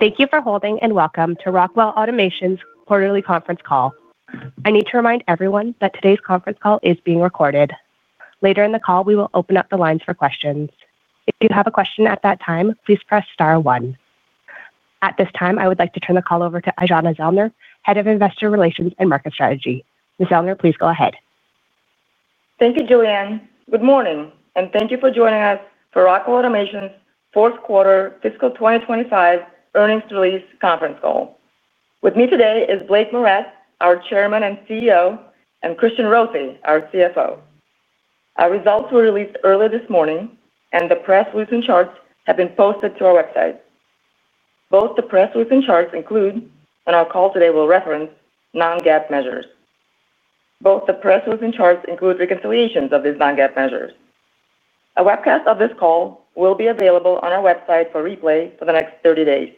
Thank you for holding and welcome to Rockwell Automation's quarterly conference call. I need to remind everyone that today's conference call is being recorded. Later in the call, we will open up the lines for questions. If you have a question at that time, please press star one. At this time, I would like to turn the call over to Aijana Zellner, Head of Investor Relations and Market Strategy. Ms. Zellner, please go ahead. Thank you, Joanne. Good morning, and thank you for joining us for Rockwell Automation's fourth quarter fiscal 2025 earnings release conference call. With me today is Blake Moret, our Chairman and CEO, and Christian Rothe, our CFO. Our results were released earlier this morning, and the press release and charts have been posted to our website. Both the press release and charts include, and our call today will reference, non-GAAP measures. Both the press release and charts include reconciliations of these non-GAAP measures. A webcast of this call will be available on our website for replay for the next 30 days.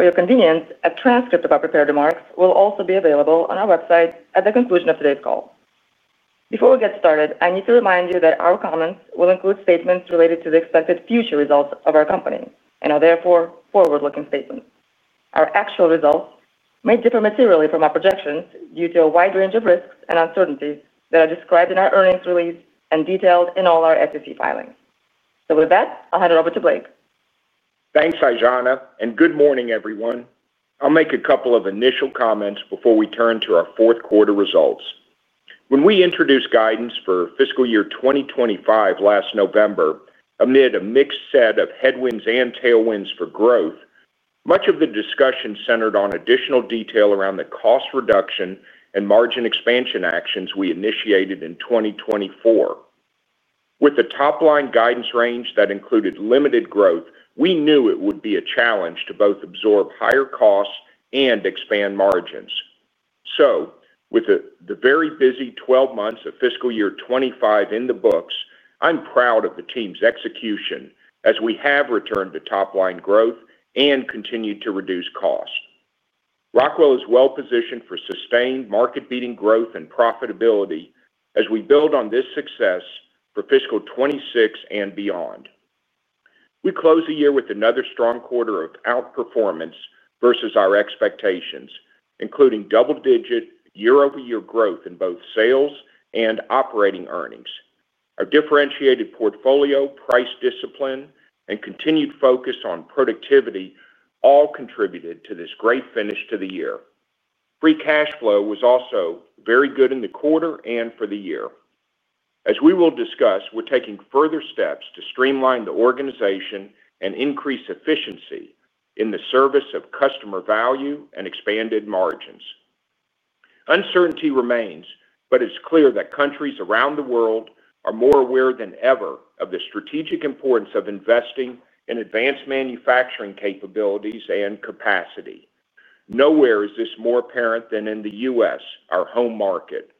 For your convenience, a transcript of our prepared remarks will also be available on our website at the conclusion of today's call. Before we get started, I need to remind you that our comments will include statements related to the expected future results of our company and are therefore forward-looking statements. Our actual results may differ materially from our projections due to a wide range of risks and uncertainties that are described in our earnings release and detailed in all our SEC filings. With that, I'll hand it over to Blake. Thanks, Aijana, and good morning, everyone. I'll make a couple of initial comments before we turn to our fourth quarter results. When we introduced guidance for fiscal year 2025 last November, amid a mixed set of headwinds and tailwinds for growth, much of the discussion centered on additional detail around the cost reduction and margin expansion actions we initiated in 2024. With the top-line guidance range that included limited growth, we knew it would be a challenge to both absorb higher costs and expand margins. With the very busy 12 months of fiscal year 25 in the books, I'm proud of the team's execution as we have returned to top-line growth and continued to reduce costs. Rockwell is well positioned for sustained market-beating growth and profitability as we build on this success for fiscal 2026 and beyond. We close the year with another strong quarter of outperformance versus our expectations, including double-digit year-over-year growth in both sales and operating earnings. Our differentiated portfolio, price discipline, and continued focus on productivity all contributed to this great finish to the year. Free cash flow was also very good in the quarter and for the year. As we will discuss, we're taking further steps to streamline the organization and increase efficiency in the service of customer value and expanded margins. Uncertainty remains, but it's clear that countries around the world are more aware than ever of the strategic importance of investing in advanced manufacturing capabilities and capacity. Nowhere is this more apparent than in the U.S., our home market.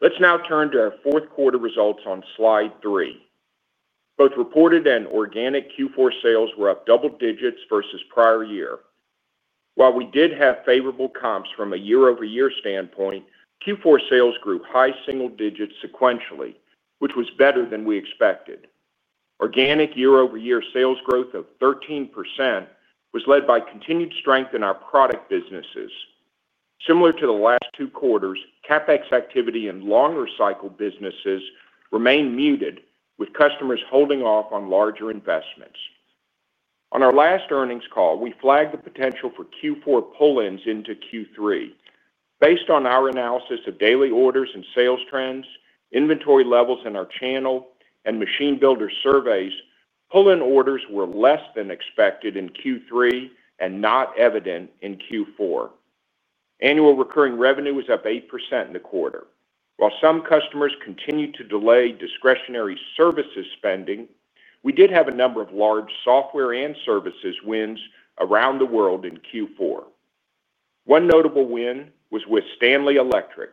Let's now turn to our fourth quarter results on slide three. Both reported and organic Q4 sales were up double digits versus prior year. While we did have favorable comps from a year-over-year standpoint, Q4 sales grew high single digits sequentially, which was better than we expected. Organic year-over-year sales growth of 13% was led by continued strength in our product businesses. Similar to the last two quarters, CapEx activity in longer cycle businesses remained muted, with customers holding off on larger investments. On our last earnings call, we flagged the potential for Q4 pull-ins into Q3. Based on our analysis of daily orders and sales trends, inventory levels in our channel, and machine builder surveys, pull-in orders were less than expected in Q3 and not evident in Q4. Annual recurring revenue was up 8% in the quarter. While some customers continued to delay discretionary services spending, we did have a number of large software and services wins around the world in Q4. One notable win was with Stanley Electric,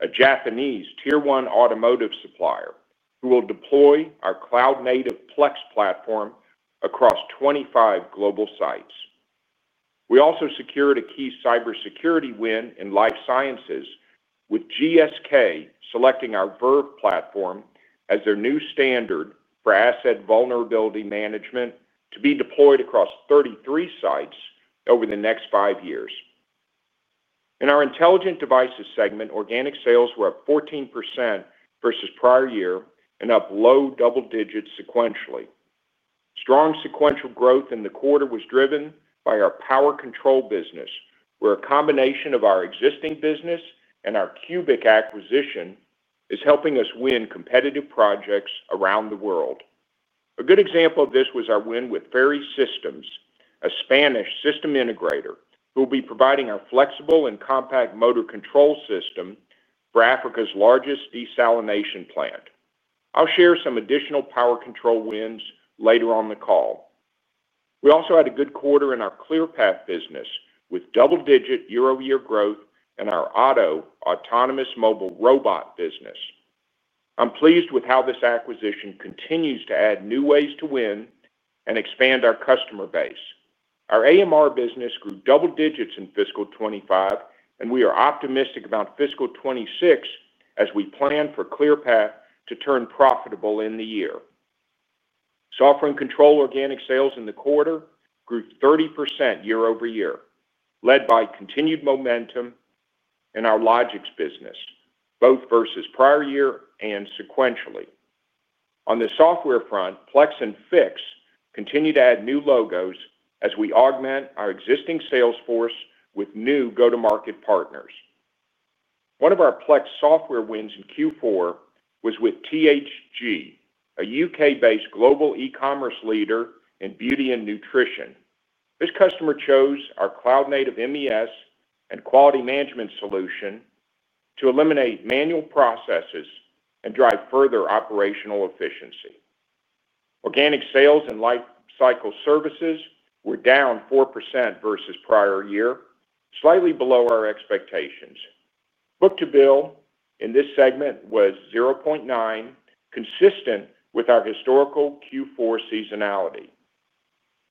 a Japanese tier-one automotive supplier who will deploy our cloud-native Plex platform across 25 global sites. We also secured a key cybersecurity win in life sciences, with GSK selecting our Verve platform as their new standard for asset vulnerability management to be deployed across 33 sites over the next five years. In our intelligent devices segment, organic sales were up 14% versus prior year and up low double digits sequentially. Strong sequential growth in the quarter was driven by our power control business, where a combination of our existing business and our CUBIC acquisition is helping us win competitive projects around the world. A good example of this was our win with Ferry Systems, a Spanish system integrator who will be providing our flexible and compact motor control system for Africa's largest desalination plant. I'll share some additional power control wins later on the call. We also had a good quarter in our Clearpath business with double-digit year-over-year growth in our OTTO Autonomous Mobile Robot business. I'm pleased with how this acquisition continues to add new ways to win and expand our customer base. Our AMR business grew double digits in fiscal 2025, and we are optimistic about fiscal 2026 as we plan for Clearpath to turn profitable in the year. Software and control organic sales in the quarter grew 30% year-over-year, led by continued momentum in our Logix business, both versus prior year and sequentially. On the software front, Plex and FiiX continue to add new logos as we augment our existing sales force with new go-to-market partners. One of our Plex software wins in Q4 was with THG, a U.K.-based global e-commerce leader in beauty and nutrition. This customer chose our cloud-native MES and quality management solution to eliminate manual processes and drive further operational efficiency. Organic sales and lifecycle services were down 4% versus prior year, slightly below our expectations. Book-to-bill in this segment was 0.9, consistent with our historical Q4 seasonality.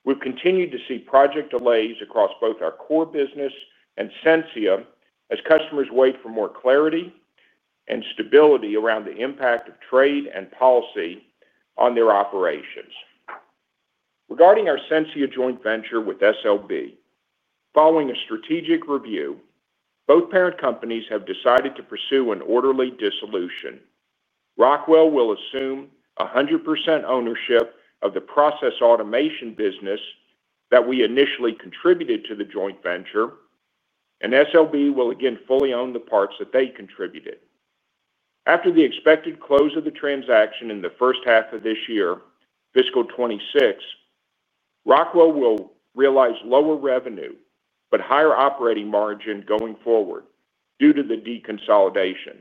We have continued to see project delays across both our core business and Sensia as customers wait for more clarity and stability around the impact of trade and policy on their operations. Regarding our Sensia joint venture with SLB, following a strategic review, both parent companies have decided to pursue an orderly dissolution. Rockwell will assume 100% ownership of the process automation business that we initially contributed to the joint venture. SLB will again fully own the parts that they contributed. After the expected close of the transaction in the first half of this year, fiscal 2026. Rockwell will realize lower revenue but higher operating margin going forward due to the deconsolidation.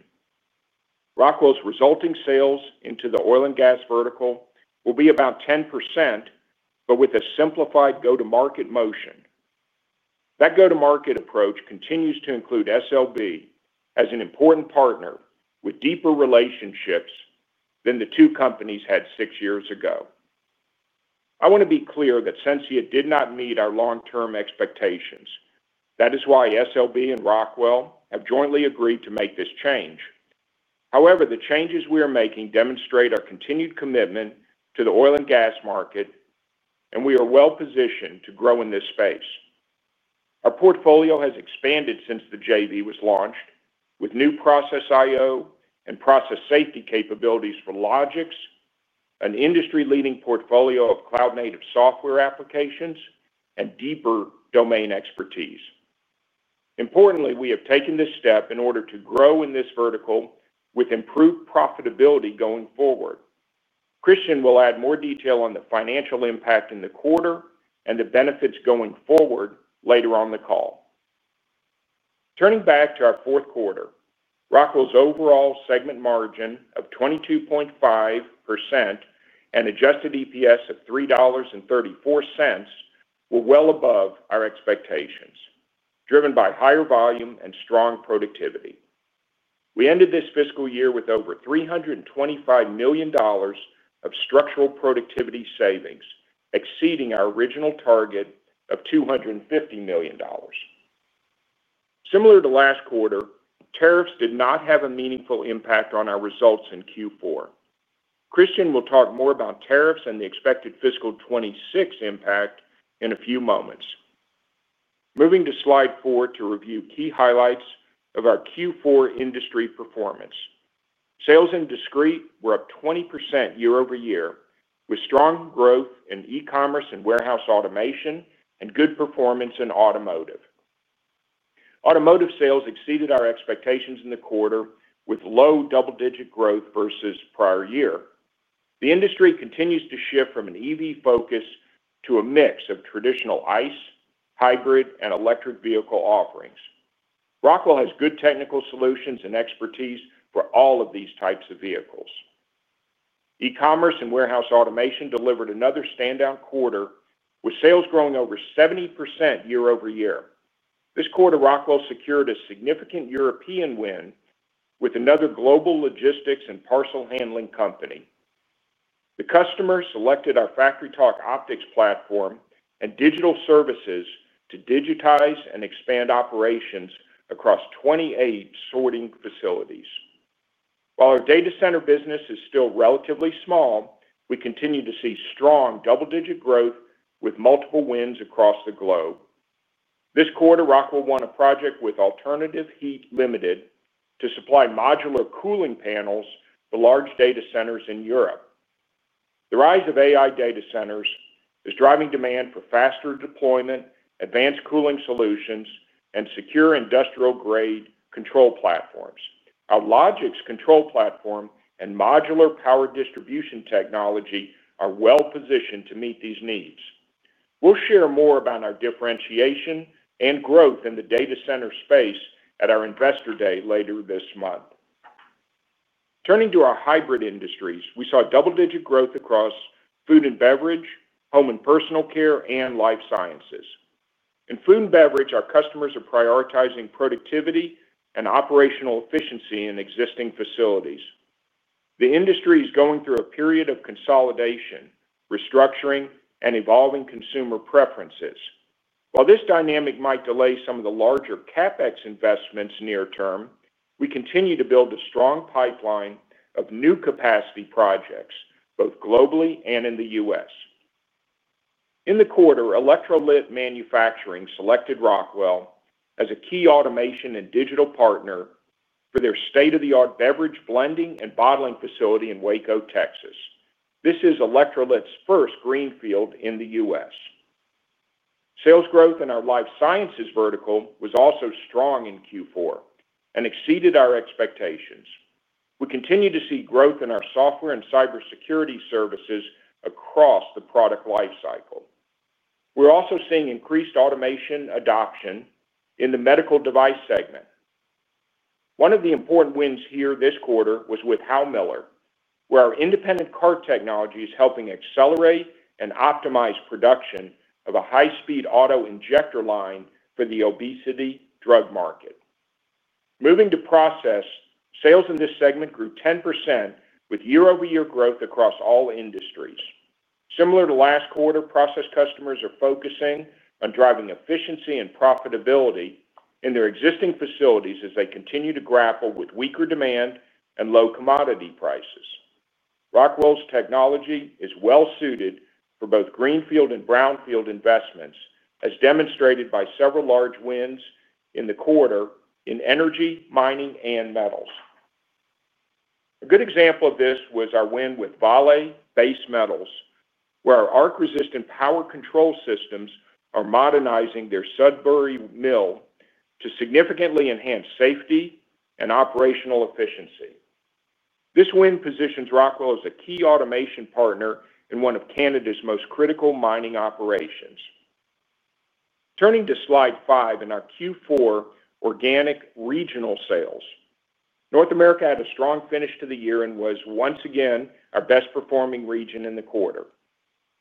Rockwell's resulting sales into the Oil and Gas vertical will be about 10%, with a simplified go-to-market motion. That go-to-market approach continues to include SLB as an important partner with deeper relationships than the two companies had six years ago. I want to be clear that Sensia did not meet our long-term expectations. That is why SLB and Rockwell have jointly agreed to make this change. However, the changes we are making demonstrate our continued commitment to the Oil and Gas market. We are well positioned to grow in this space. Our portfolio has expanded since the JV was launched, with new Process I/O and process safety capabilities for Logix, an industry-leading portfolio of cloud-native software applications, and deeper domain expertise. Importantly, we have taken this step in order to grow in this vertical with improved profitability going forward. Christian will add more detail on the financial impact in the quarter and the benefits going forward later on the call. Turning back to our fourth quarter, Rockwell's overall segment margin of 22.5% and adjusted EPS of $3.34 were well above our expectations, driven by higher volume and strong productivity. We ended this fiscal year with over $325 million of structural productivity savings, exceeding our original target of $250 million. Similar to last quarter, tariffs did not have a meaningful impact on our results in Q4. Christian will talk more about tariffs and the expected fiscal 2026 impact in a few moments. Moving to slide four to review key highlights of our Q4 industry performance. Sales in discrete were up 20% year-over-year, with strong growth in e-commerce and warehouse automation and good performance in automotive. Automotive sales exceeded our expectations in the quarter, with low double-digit growth versus prior year. The industry continues to shift from an EV focus to a mix of traditional ICE, hybrid, and electric vehicle offerings. Rockwell has good technical solutions and expertise for all of these types of vehicles. E-commerce and warehouse automation delivered another stand-out quarter, with sales growing over 70% year-over-year. This quarter, Rockwell secured a significant European win with another global logistics and parcel handling company. The customer selected our FactoryTalk Optix platform and digital services to digitize and expand operations across 28 sorting facilities. While our data center business is still relatively small, we continue to see strong double-digit growth with multiple wins across the globe. This quarter, Rockwell won a project with Alternative Heat Limited to supply modular cooling panels for large data centers in Europe. The rise of AI data centers is driving demand for faster deployment, advanced cooling solutions, and secure industrial-grade control platforms. Our Logix control platform and modular power distribution technology are well positioned to meet these needs. We'll share more about our differentiation and growth in the data center space at our investor day later this month. Turning to our hybrid industries, we saw double-digit growth across food and beverage, home and personal care, and life sciences. In food and beverage, our customers are prioritizing productivity and operational efficiency in existing facilities. The industry is going through a period of consolidation, restructuring, and evolving consumer preferences. While this dynamic might delay some of the larger CapEx investments near term, we continue to build a strong pipeline of new capacity projects, both globally and in the U.S. In the quarter, Electrolit Manufacturing selected Rockwell as a key automation and digital partner for their state-of-the-art beverage blending and bottling facility in Waco, Texas. This is Electrolit's first greenfield in the U.S. Sales growth in our life sciences vertical was also strong in Q4 and exceeded our expectations. We continue to see growth in our software and cybersecurity services across the product lifecycle. We're also seeing increased automation adoption in the medical device segment. One of the important wins here this quarter was with Haumiller, where our independent cart technology is helping accelerate and optimize production of a high-speed auto injector line for the obesity drug market. Moving to process. Sales in this segment grew 10% with year-over-year growth across all industries. Similar to last quarter, process customers are focusing on driving efficiency and profitability in their existing facilities as they continue to grapple with weaker demand and low commodity prices. Rockwell's technology is well suited for both greenfield and brownfield investments, as demonstrated by several large wins in the quarter in energy, mining, and metals. A good example of this was our win with Vale Base Metals, where our arc-resistant power control systems are modernizing their Sudbury mill to significantly enhance safety and operational efficiency. This win positions Rockwell as a key automation partner in one of Canada's most critical mining operations. Turning to slide five in our Q4 organic regional sales, North America had a strong finish to the year and was once again our best-performing region in the quarter.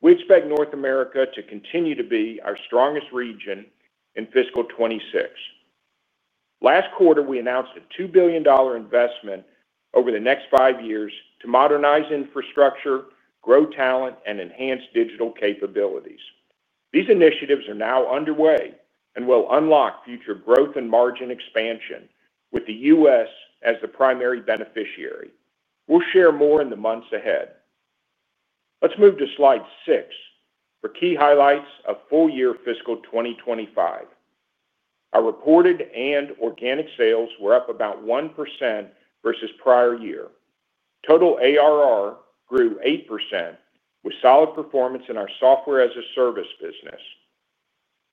We expect North America to continue to be our strongest region in fiscal 2026. Last quarter, we announced a $2 billion investment over the next five years to modernize infrastructure, grow talent, and enhance digital capabilities. These initiatives are now underway and will unlock future growth and margin expansion with the U.S. as the primary beneficiary. We'll share more in the months ahead. Let's move to slide six for key highlights of full year fiscal 2025. Our reported and organic sales were up about 1% versus prior year. Total ARR grew 8% with solid performance in our software as a service business.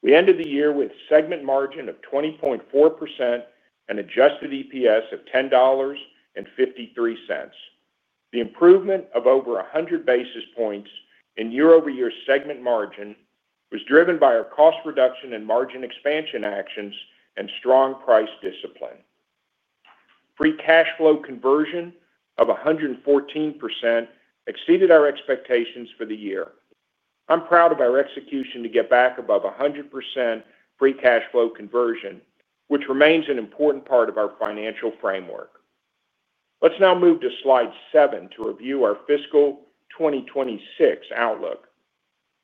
We ended the year with a segment margin of 20.4% and adjusted EPS of $10.53. The improvement of over 100 basis points in year-over-year segment margin was driven by our cost reduction and margin expansion actions and strong price discipline. Free cash flow conversion of 114% exceeded our expectations for the year. I'm proud of our execution to get back above 100% free cash flow conversion, which remains an important part of our financial framework. Let's now move to slide seven to review our fiscal 2026 outlook.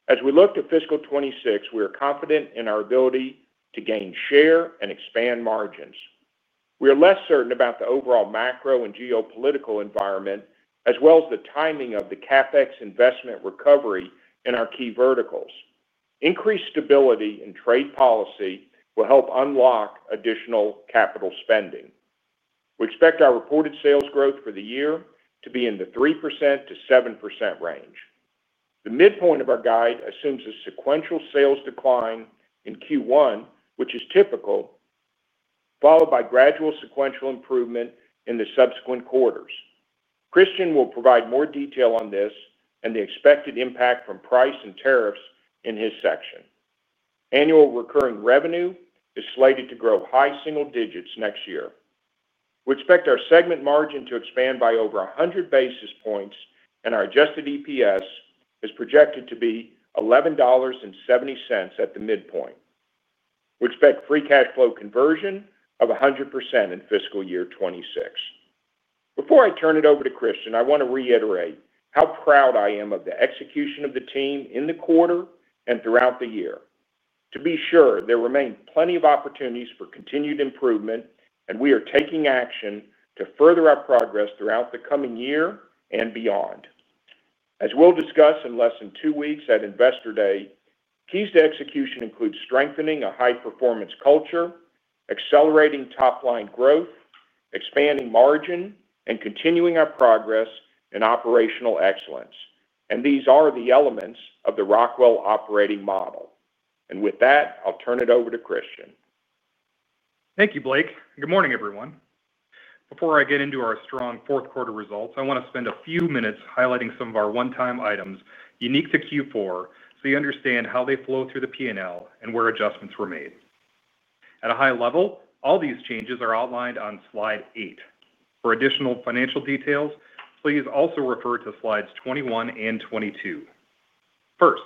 As we look to fiscal 2026, we are confident in our ability to gain share and expand margins. We are less certain about the overall macro and geopolitical environment, as well as the timing of the CapEx investment recovery in our key verticals. Increased stability in trade policy will help unlock additional capital spending. We expect our reported sales growth for the year to be in the 3%-7% range. The midpoint of our guide assumes a sequential sales decline in Q1, which is typical, followed by gradual sequential improvement in the subsequent quarters. Christian will provide more detail on this and the expected impact from price and tariffs in his section. Annual recurring revenue is slated to grow high single digits next year. We expect our segment margin to expand by over 100 basis points, and our adjusted EPS is projected to be $11.70 at the midpoint. We expect free cash flow conversion of 100% in fiscal year 2026. Before I turn it over to Christian, I want to reiterate how proud I am of the execution of the team in the quarter and throughout the year. To be sure, there remain plenty of opportunities for continued improvement, and we are taking action to further our progress throughout the coming year and beyond. As we'll discuss in less than two weeks at Investor Day, keys to execution include strengthening a high-performance culture, accelerating top-line growth, expanding margin, and continuing our progress in operational excellence. These are the elements of the Rockwell operating model. With that, I'll turn it over to Christian. Thank you, Blake. Good morning, everyone. Before I get into our strong fourth quarter results, I want to spend a few minutes highlighting some of our one-time items unique to Q4 so you understand how they flow through the P&L and where adjustments were made. At a high level, all these changes are outlined on slide eight. For additional financial details, please also refer to slides 21 and 22. First,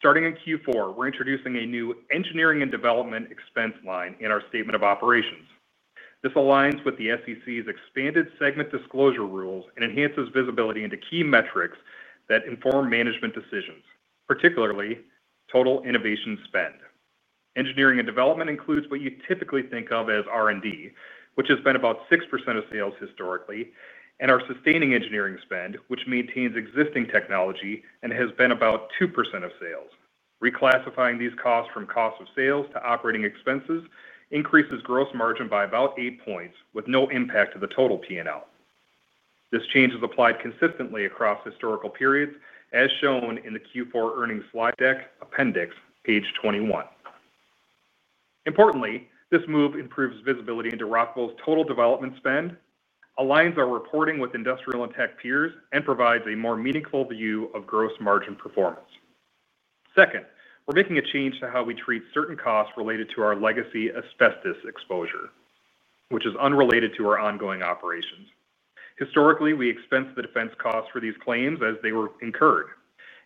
starting in Q4, we're introducing a new engineering and development expense line in our statement of operations. This aligns with the SEC's expanded segment disclosure rules and enhances visibility into key metrics that inform management decisions, particularly total innovation spend. Engineering and development includes what you typically think of as R&D, which has been about 6% of sales historically, and our sustaining engineering spend, which maintains existing technology and has been about 2% of sales. Reclassifying these costs from cost of sales to operating expenses increases gross margin by about 8 percentage points, with no impact to the total P&L. This change is applied consistently across historical periods, as shown in the Q4 earnings slide deck appendix, page 21. Importantly, this move improves visibility into Rockwell Automation's total development spend, aligns our reporting with industrial and tech peers, and provides a more meaningful view of gross margin performance. Second, we're making a change to how we treat certain costs related to our legacy asbestos exposure, which is unrelated to our ongoing operations. Historically, we expense the defense costs for these claims as they were incurred.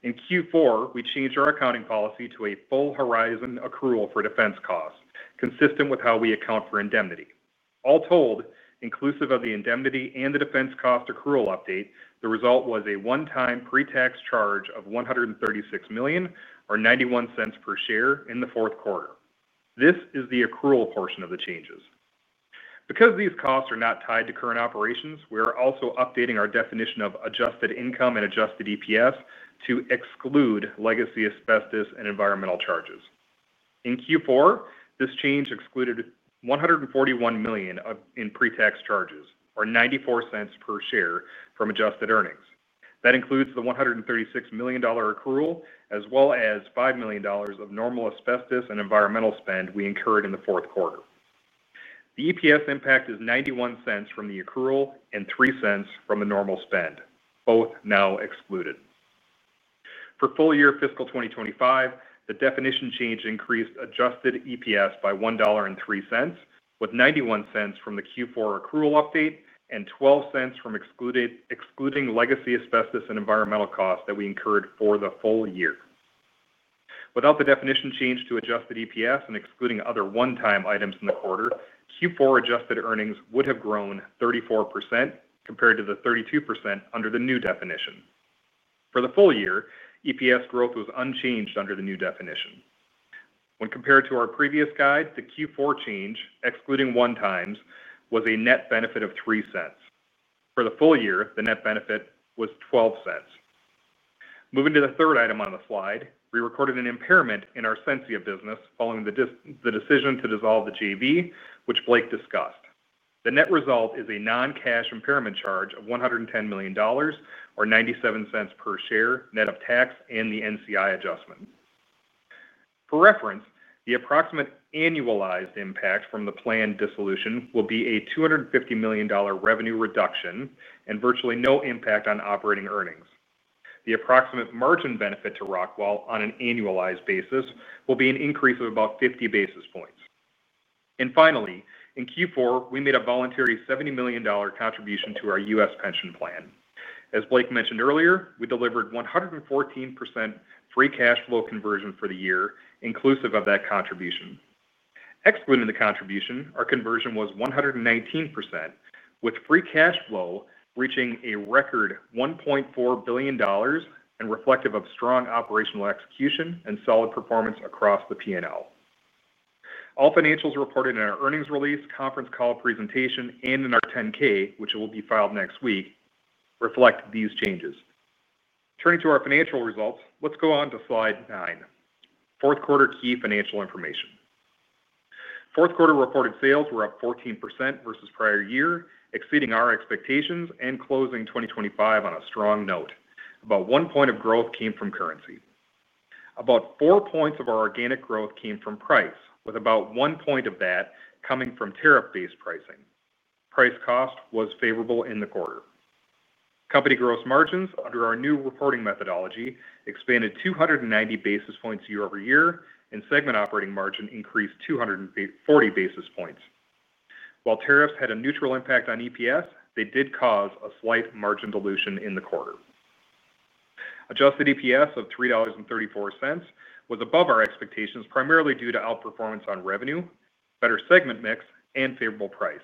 In Q4, we changed our accounting policy to a full horizon accrual for defense costs, consistent with how we account for indemnity. All told, inclusive of the indemnity and the defense cost accrual update, the result was a one-time pre-tax charge of $136 million, or $0.91 per share, in the fourth quarter. This is the accrual portion of the changes. Because these costs are not tied to current operations, we are also updating our definition of adjusted income and adjusted EPS to exclude legacy asbestos and environmental charges. In Q4, this change excluded $141 million in pre-tax charges, or $0.94 per share, from adjusted earnings. That includes the $136 million accrual, as well as $5 million of normal asbestos and environmental spend we incurred in the fourth quarter. The EPS impact is $0.91 from the accrual and $0.03 from the normal spend, both now excluded. For full year fiscal 2025, the definition change increased adjusted EPS by $1.03, with $0.91 from the Q4 accrual update and $0.12 from excluding legacy asbestos and environmental costs that we incurred for the full year. Without the definition change to adjusted EPS and excluding other one-time items in the quarter, Q4 adjusted earnings would have grown 34% compared to the 32% under the new definition. For the full year, EPS growth was unchanged under the new definition. When compared to our previous guide, the Q4 change, excluding one-times, was a net benefit of $0.03. For the full year, the net benefit was $0.12. Moving to the third item on the slide, we recorded an impairment in our Sensia business following the decision to dissolve the JV, which Blake discussed. The net result is a non-cash impairment charge of $110 million, or $0.97 per share, net of tax and the NCI adjustment. For reference, the approximate annualized impact from the planned dissolution will be a $250 million revenue reduction and virtually no impact on operating earnings. The approximate margin benefit to Rockwell on an annualized basis will be an increase of about 50 basis points. Finally, in Q4, we made a voluntary $70 million contribution to our U.S. pension plan. As Blake mentioned earlier, we delivered 114% free cash flow conversion for the year, inclusive of that contribution. Excluding the contribution, our conversion was 119%, with free cash flow reaching a record $1.4 billion and reflective of strong operational execution and solid performance across the P&L. All financials reported in our earnings release, conference call presentation, and in our 10-K, which will be filed next week, reflect these changes. Turning to our financial results, let's go on to slide nine, fourth quarter key financial information. Fourth quarter reported sales were up 14% versus prior year, exceeding our expectations and closing 2025 on a strong note. About one point of growth came from currency. About four points of our organic growth came from price, with about one point of that coming from tariff-based pricing. Price cost was favorable in the quarter. Company gross margins under our new reporting methodology expanded 290 basis points year-over-year, and segment operating margin increased 240 basis points. While tariffs had a neutral impact on EPS, they did cause a slight margin dilution in the quarter. Adjusted EPS of $3.34 was above our expectations, primarily due to outperformance on revenue, better segment mix, and favorable price.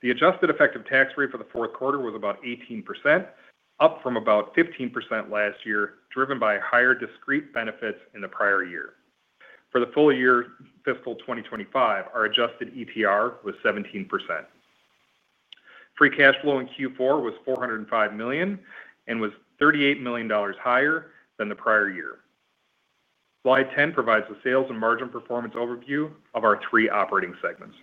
The adjusted effective tax rate for the fourth quarter was about 18%, up from about 15% last year, driven by higher discrete benefits in the prior year. For the full year fiscal 2025, our adjusted ETR was 17%. Free cash flow in Q4 was $405 million and was $38 million higher than the prior year. Slide 10 provides the sales and margin performance overview of our three operating segments.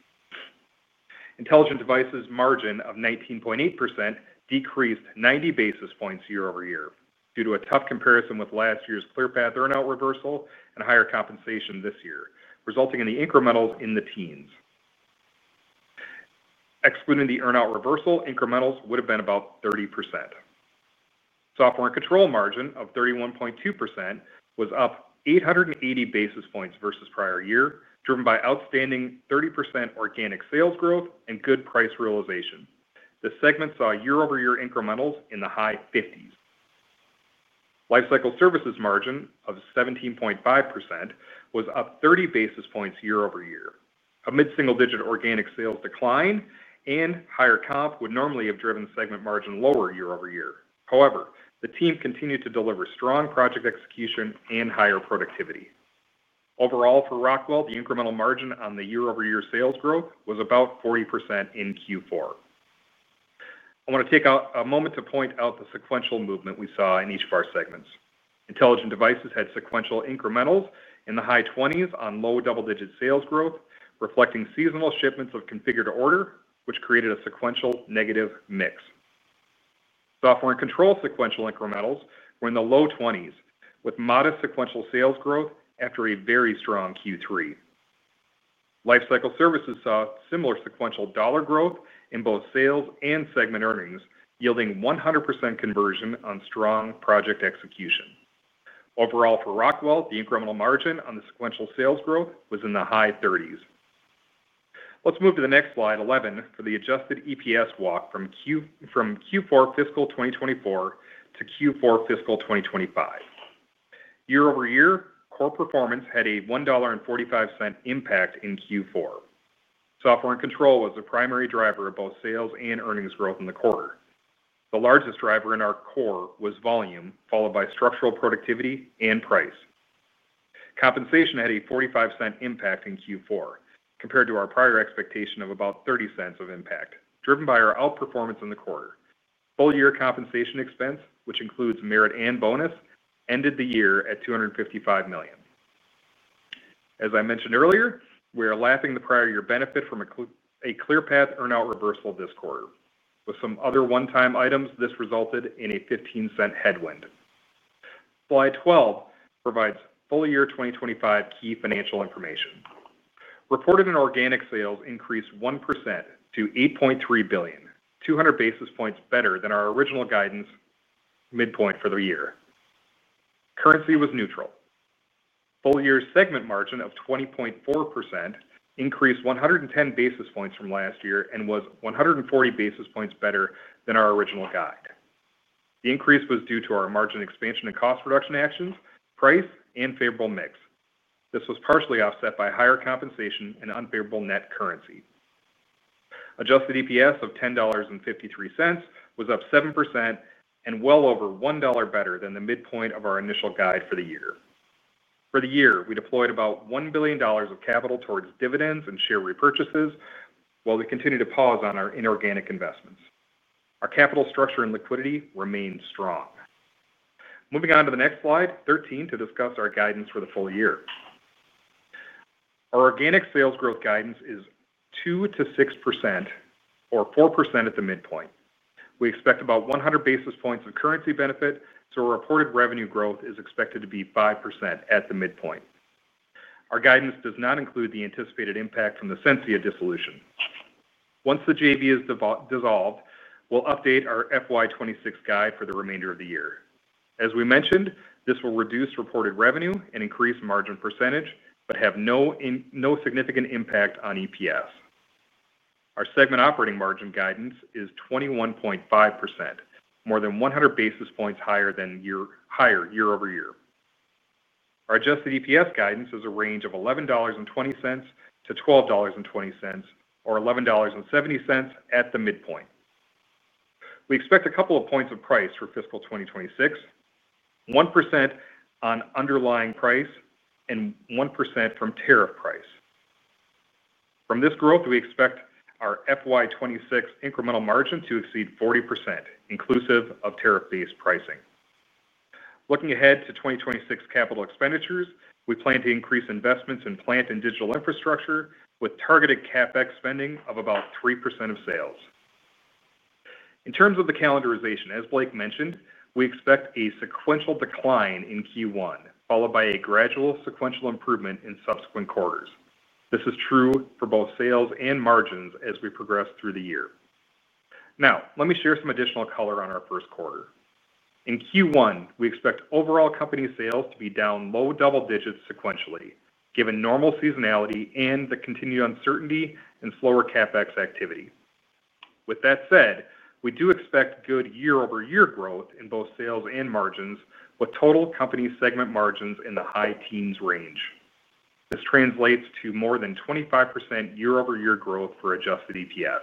Intelligent devices' margin of 19.8% decreased 90 basis points year-over-year due to a tough comparison with last year's Clearpath earnout reversal and higher compensation this year, resulting in the incrementals in the teens. Excluding the earnout reversal, incrementals would have been about 30%. Software and control margin of 31.2% was up 880 basis points versus prior year, driven by outstanding 30% organic sales growth and good price realization. The segment saw year-over-year incrementals in the high 50s. Lifecycle services margin of 17.5% was up 30 basis points year-over-year. A mid-single digit organic sales decline and higher comp would normally have driven segment margin lower year-over-year. However, the team continued to deliver strong project execution and higher productivity. Overall, for Rockwell, the incremental margin on the year-over-year sales growth was about 40% in Q4. I want to take out a moment to point out the sequential movement we saw in each of our segments. Intelligent devices had sequential incrementals in the high 20s on low double-digit sales growth, reflecting seasonal shipments of configured order, which created a sequential negative mix. Software and control sequential incrementals were in the low 20s, with modest sequential sales growth after a very strong Q3. Lifecycle services saw similar sequential dollar growth in both sales and segment earnings, yielding 100% conversion on strong project execution. Overall, for Rockwell, the incremental margin on the sequential sales growth was in the high 30s. Let's move to the next slide, 11, for the adjusted EPS walk from Q4 fiscal 2024 to Q4 fiscal 2025. Year-over-year, core performance had a $1.45 impact in Q4. Software and control was the primary driver of both sales and earnings growth in the quarter. The largest driver in our core was volume, followed by structural productivity and price. Compensation had a $0.45 impact in Q4, compared to our prior expectation of about $0.30 of impact, driven by our outperformance in the quarter. Full-year compensation expense, which includes merit and bonus, ended the year at $255 million. As I mentioned earlier, we are lapping the prior-year benefit from a Clearpath earnout reversal this quarter. With some other one-time items, this resulted in a $0.15 headwind. Slide 12 provides full year 2025 key financial information. Reported and organic sales increased 1% to $8.3 billion, 200 basis points better than our original guidance midpoint for the year. Currency was neutral. Full-year segment margin of 20.4% increased 110 basis points from last year and was 140 basis points better than our original guide. The increase was due to our margin expansion and cost reduction actions, price, and favorable mix. This was partially offset by higher compensation and unfavorable net currency. Adjusted EPS of $10.53 was up 7% and well over $1 better than the midpoint of our initial guide for the year. For the year, we deployed about $1 billion of capital towards dividends and share repurchases, while we continued to pause on our inorganic investments. Our capital structure and liquidity remained strong. Moving on to the next slide, 13, to discuss our guidance for the full year. Our organic sales growth guidance is 2%-6%, or 4% at the midpoint. We expect about 100 basis points of currency benefit, so our reported revenue growth is expected to be 5% at the midpoint. Our guidance does not include the anticipated impact from the Sensia dissolution. Once the JV is dissolved, we'll update our FY 2026 guide for the remainder of the year. As we mentioned, this will reduce reported revenue and increase margin percentage, but have no significant impact on EPS. Our segment operating margin guidance is 21.5%, more than 100 basis points higher than year-over-year. Our adjusted EPS guidance is a range of $11.20-$12.20, or $11.70 at the midpoint. We expect a couple of points of price for fiscal 2026. 1% on underlying price and 1% from tariff price. From this growth, we expect our FY 2026 incremental margin to exceed 40%, inclusive of tariff-based pricing. Looking ahead to 2026 capital expenditures, we plan to increase investments in plant and digital infrastructure, with targeted CapEx spending of about 3% of sales. In terms of the calendarization, as Blake mentioned, we expect a sequential decline in Q1, followed by a gradual sequential improvement in subsequent quarters. This is true for both sales and margins as we progress through the year. Now, let me share some additional color on our first quarter. In Q1, we expect overall company sales to be down low double digits sequentially, given normal seasonality and the continued uncertainty and slower CapEx activity. With that said, we do expect good year-over-year growth in both sales and margins, with total company segment margins in the high teens range. This translates to more than 25% year-over-year growth for adjusted EPS.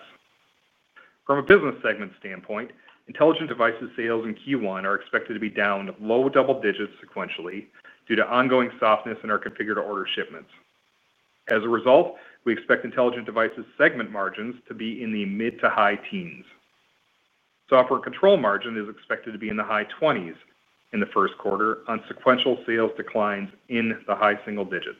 From a business segment standpoint, intelligent devices sales in Q1 are expected to be down low double digits sequentially due to ongoing softness in our configured order shipments. As a result, we expect intelligent devices segment margins to be in the mid to high teens. Software and control margin is expected to be in the high 20s in the first quarter on sequential sales declines in the high single digits.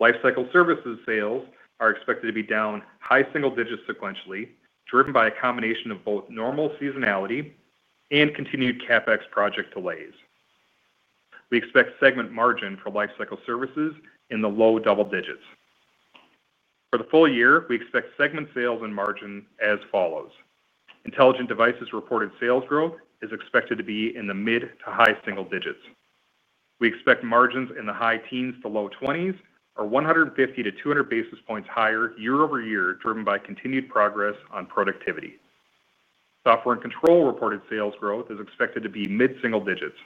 Lifecycle services sales are expected to be down high single digits sequentially, driven by a combination of both normal seasonality and continued CapEx project delays. We expect segment margin for lifecycle services in the low double digits. For the full year, we expect segment sales and margin as follows. Intelligent devices reported sales growth is expected to be in the mid to high single digits. We expect margins in the high teens to low 20s, or 150-200 basis points higher year-over-year, driven by continued progress on productivity. Software and control reported sales growth is expected to be mid-single digits.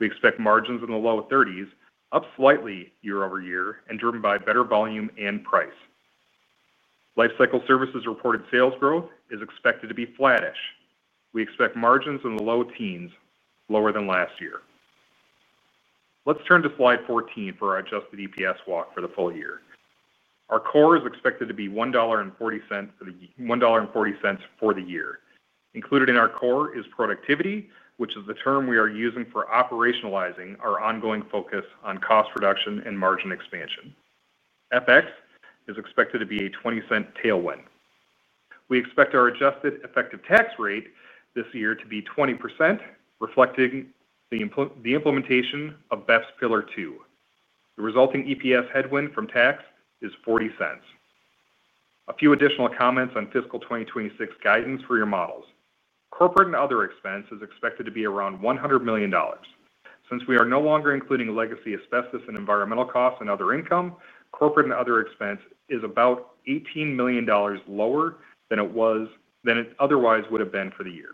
We expect margins in the low 30s, up slightly year-over-year, and driven by better volume and price. Lifecycle services reported sales growth is expected to be flattish. We expect margins in the low teens, lower than last year. Let's turn to slide 14 for our adjusted EPS walk for the full year. Our core is expected to be $1.40 for the year. Included in our core is productivity, which is the term we are using for operationalizing our ongoing focus on cost reduction and margin expansion. FX is expected to be a $0.20 tailwind. We expect our adjusted effective tax rate this year to be 20%, reflecting the implementation of BEPS Pillar 2. The resulting EPS headwind from tax is $0.40. A few additional comments on fiscal 2026 guidance for your models. Corporate and other expense is expected to be around $100 million. Since we are no longer including legacy asbestos and environmental costs and other income, corporate and other expense is about $18 million lower than it otherwise would have been for the year.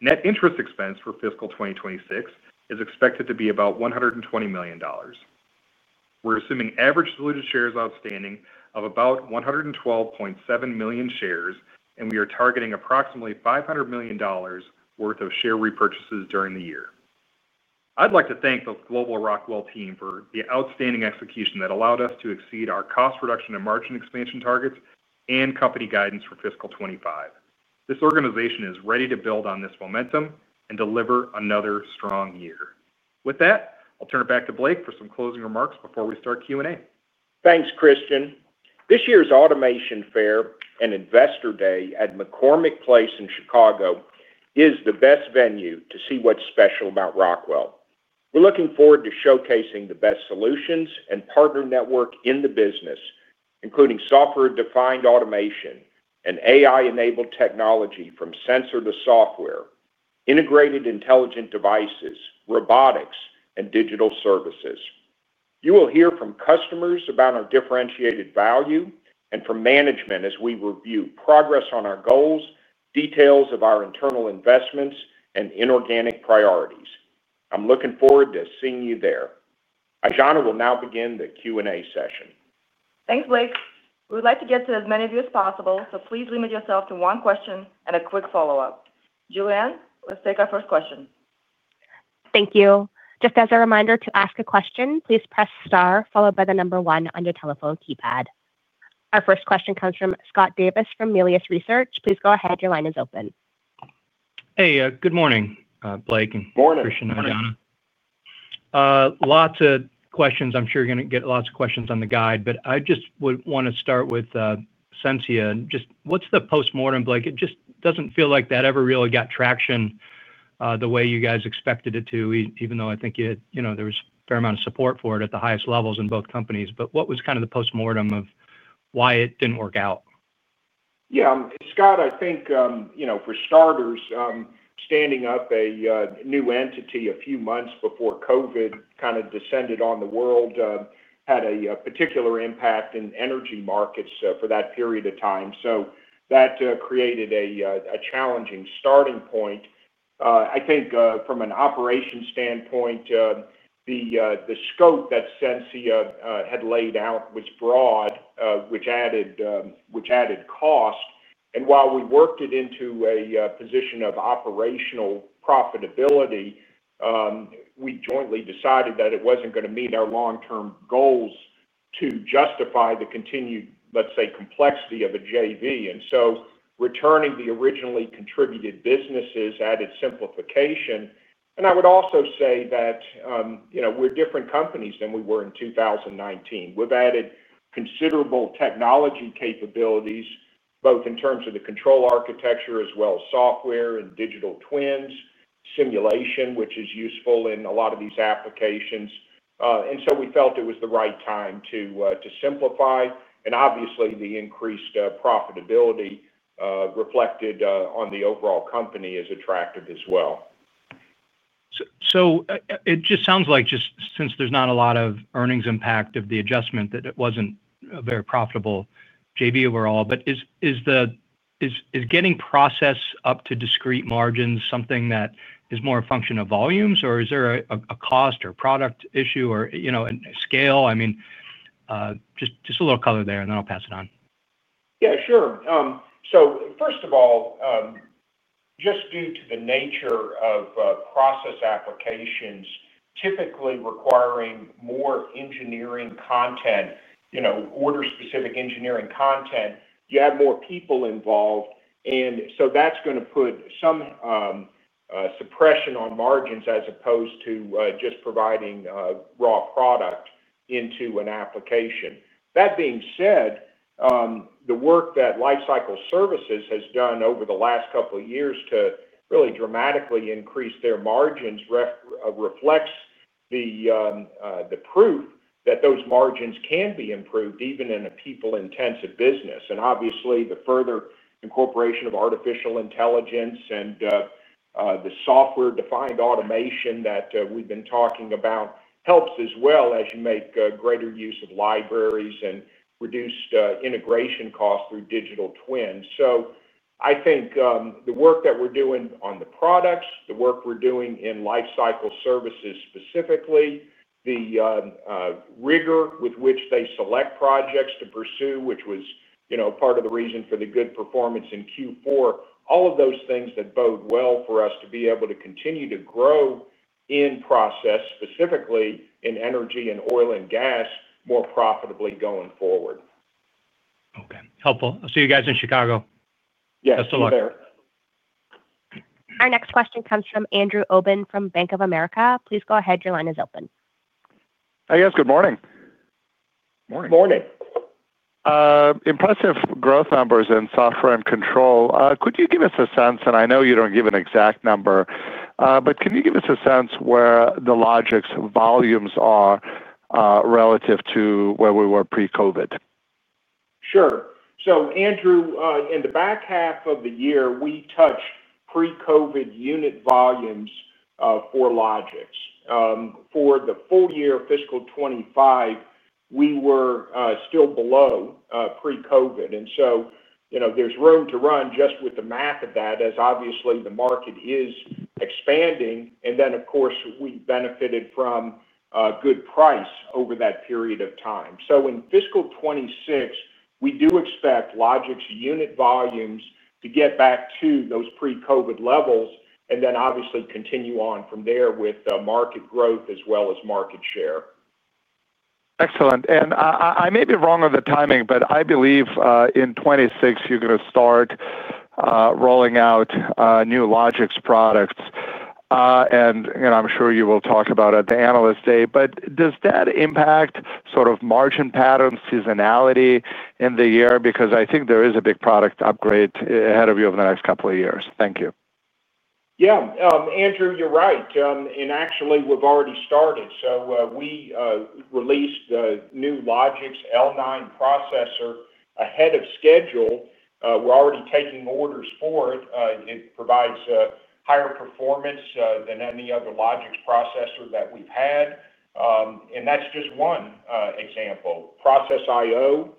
Net interest expense for fiscal 2026 is expected to be about $120 million. We're assuming average diluted shares outstanding of about 112.7 million shares, and we are targeting approximately $500 million worth of share repurchases during the year. I'd like to thank the global Rockwell team for the outstanding execution that allowed us to exceed our cost reduction and margin expansion targets and company guidance for fiscal 2025. This organization is ready to build on this momentum and deliver another strong year. With that, I'll turn it back to Blake for some closing remarks before we start Q&A. Thanks, Christian. This year's Automation Fair and Investor Day at McCormick Place in Chicago is the best venue to see what's special about Rockwell. We're looking forward to showcasing the best solutions and partner network in the business. Including software-defined automation and AI-enabled technology from sensor to software, integrated intelligent devices, robotics, and digital services. You will hear from customers about our differentiated value and from management as we review progress on our goals, details of our internal investments, and inorganic priorities. I'm looking forward to seeing you there. Aijana will now begin the Q&A session. Thanks, Blake. We would like to get to as many of you as possible, so please limit yourself to one question and a quick follow-up. Joanne, let's take our first question. Thank you. Just as a reminder to ask a question, please press star followed by the number one on your telephone keypad. Our first question comes from Scott Davis from Melius Research. Please go ahead. Your line is open. Hey, good morning, Blake and Christian. Morning. Aijana. Lots of questions. I'm sure you're going to get lots of questions on the guide, but I just would want to start with Sensia. Just what's the postmortem, Blake? It just doesn't feel like that ever really got traction the way you guys expected it to, even though I think there was a fair amount of support for it at the highest levels in both companies. What was kind of the postmortem of why it didn't work out? Yeah. Scott, I think for starters, standing up a new entity a few months before COVID kind of descended on the world had a particular impact in energy markets for that period of time. That created a challenging starting point. I think from an operations standpoint, the scope that Sensia had laid out was broad, which added cost. While we worked it into a position of operational profitability. We jointly decided that it wasn't going to meet our long-term goals to justify the continued, let's say, complexity of a JV. Returning the originally contributed businesses added simplification. I would also say that we're different companies than we were in 2019. We've added considerable technology capabilities, both in terms of the control architecture as well as software and digital twins, simulation, which is useful in a lot of these applications. We felt it was the right time to simplify. Obviously, the increased profitability reflected on the overall company as attractive as well. It just sounds like just since there's not a lot of earnings impact of the adjustment that it wasn't a very profitable JV overall. Is getting process up to discrete margins something that is more a function of volumes, or is there a cost or product issue or scale? I mean. Just a little color there, and then I'll pass it on. Yeah, sure. First of all, just due to the nature of process applications typically requiring more engineering content, order-specific engineering content, you have more people involved. That is going to put some suppression on margins as opposed to just providing raw product into an application. That being said, the work that Lifecycle Services has done over the last couple of years to really dramatically increase their margins reflects the proof that those margins can be improved even in a people-intensive business. Obviously, the further incorporation of artificial intelligence and the software-defined automation that we've been talking about helps as well as you make greater use of libraries and reduced integration costs through digital twins. I think the work that we're doing on the products, the work we're doing in Lifecycle Services specifically, the Rigor with which they select projects to pursue, which was part of the reason for the good performance in Q4, all of those things that bode well for us to be able to continue to grow in process, specifically in energy and Oil and Gas, more profitably going forward. Okay. Helpful. I'll see you guys in Chicago. Yes. Best of luck. We'll be there. Our next question comes from Andrew Obin from Bank of America. Please go ahead. Your line is open. Hey, yes. Good morning. Morning. Morning. Impressive growth numbers in software and control. Could you give us a sense? And I know you don't give an exact number. But can you give us a sense where the Logix volumes are. Relative to where we were pre-COVID? Sure. So Andrew, in the back half of the year, we touched pre-COVID unit volumes for Logix. For the full year, fiscal 2025, we were still below pre-COVID. There is room to run just with the math of that, as obviously the market is expanding. Of course, we benefited from good price over that period of time. In fiscal 2026, we do expect Logix unit volumes to get back to those pre-COVID levels and then obviously continue on from there with market growth as well as market share. Excellent. I may be wrong on the timing, but I believe in 2026, you are going to start rolling out new Logix products. I am sure you will talk about it at the analyst day. Does that impact sort of margin patterns, seasonality in the year? I think there is a big product upgrade ahead of you over the next couple of years. Thank you. Yeah. Andrew, you are right. Actually, we've already started. We released the new Logix L9 processor ahead of schedule. We're already taking orders for it. It provides higher performance than any other Logix processor that we've had. That's just one example. Process I/O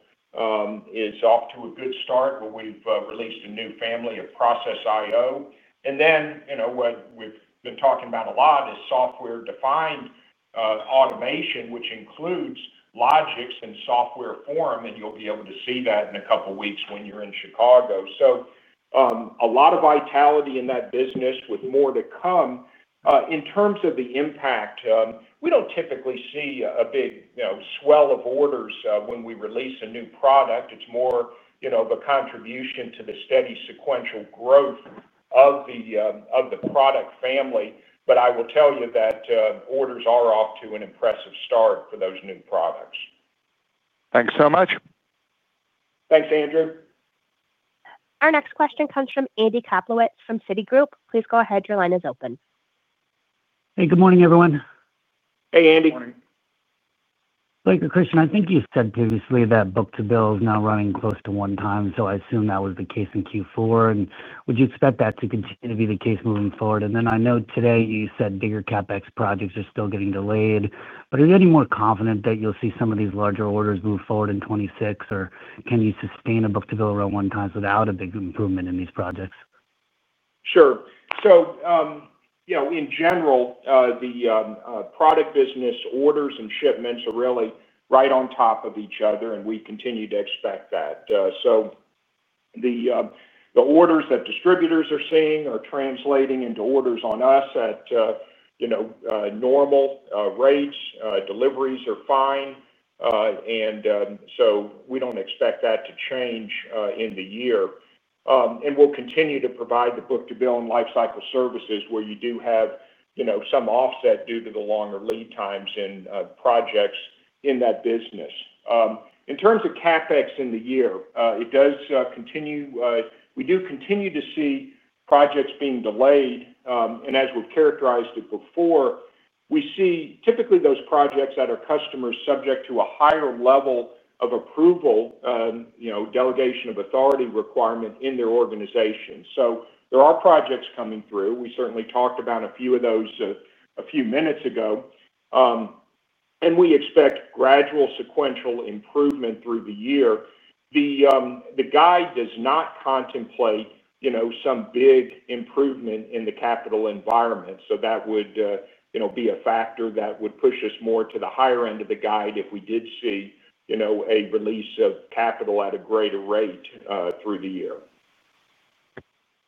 is off to a good start where we've released a new family of Process I/O. What we've been talking about a lot is software-defined automation, which includes Logix and software forum. You'll be able to see that in a couple of weeks when you're in Chicago. There is a lot of vitality in that business with more to come. In terms of the impact, we don't typically see a big swell of orders when we release a new product. It's more of a contribution to the steady sequential growth of the product family. I will tell you that orders are off to an impressive start for those new products. Thanks so much. Thanks, Andrew. Our next question comes from Andy Koplowitz from Citigroup. Please go ahead. Your line is open. Hey, good morning, everyone. Hey, Andy. Good morning. Blake, Christian, I think you said previously that book-to-bill is now running close to one time. I assume that was the case in Q4. Would you expect that to continue to be the case moving forward? I know today you said bigger CapEx projects are still getting delayed. Are you any more confident that you'll see some of these larger orders move forward in 2026? Can you sustain a book-to-bill around one time without a big improvement in these projects? Sure. In general, the product business orders and shipments are really right on top of each other, and we continue to expect that. The orders that distributors are seeing are translating into orders on us at normal rates. Deliveries are fine. We do not expect that to change in the year. We will continue to provide the book-to-bill and Lifecycle Services where you do have some offset due to the longer lead times in projects in that business. In terms of CapEx in the year, it does continue. We do continue to see projects being delayed. As we have characterized it before, we see typically those projects that are customers subject to a higher level of approval, delegation of authority requirement in their organization. There are projects coming through. We certainly talked about a few of those a few minutes ago. We expect gradual sequential improvement through the year. The guide does not contemplate some big improvement in the capital environment. That would be a factor that would push us more to the higher end of the guide if we did see a release of capital at a greater rate through the year.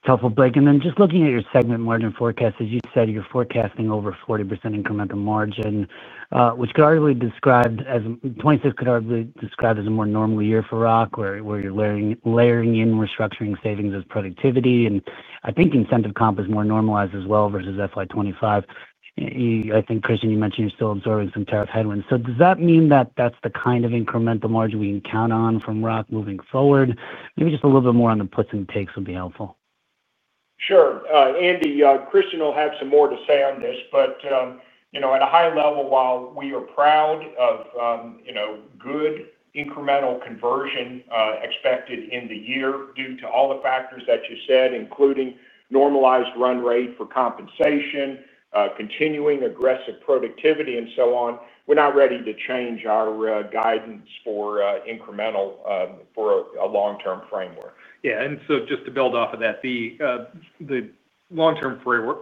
Helpful, Blake. Just looking at your segment margin forecast, as you said, you're forecasting over 40% incremental margin, which could arguably be described as 2026 could arguably be described as a more normal year for Rockwell where you're layering in restructuring savings as productivity. I think incentive comp is more normalized as well versus FY 2025. I think, Christian, you mentioned you're still absorbing some tariff headwinds. Does that mean that that's the kind of incremental margin we can count on from Rockwell moving forward? Maybe just a little bit more on the puts and takes would be helpful. Sure. Andy, Christian will have some more to say on this. At a high level, while we are proud of good incremental conversion expected in the year due to all the factors that you said, including normalized run rate for compensation, continuing aggressive productivity, and so on, we're not ready to change our guidance for incremental for a long-term framework. Yeah. Just to build off of that, the long-term